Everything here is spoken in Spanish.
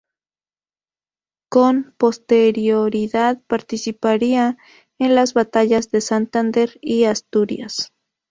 Con posterioridad participaría en las batallas de Santander y Asturias.